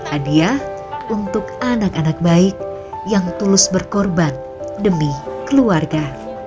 adia untuk anak anak baik yang tulus berkorban demi keluarga